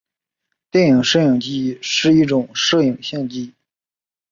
电影摄影机是一种摄影相机。